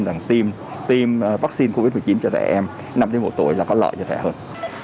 là tiêm vắc xin covid một mươi chín cho trẻ em năm đến một tuổi là có lợi cho trẻ hơn